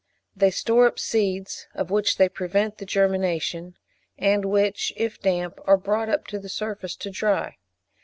They store up seeds, of which they prevent the germination, and which, if damp, are brought up to the surface to dry.